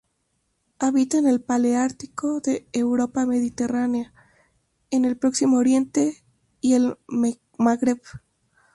Habita en el paleártico: la Europa mediterránea, el Próximo Oriente y el Magreb.